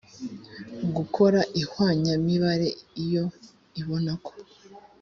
gukora ihwanyamibare iyo ibonako